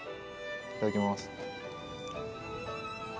いただきます。